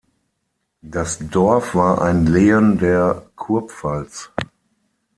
Das Dorf war ein Lehen der Kurpfalz.